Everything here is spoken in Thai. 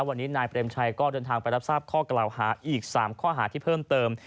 วันนี้นายเปรมชัยก็เดินทางไปรับทราบข้อกล่าวหาอีก๓ข้อหาที่เพิ่มเติม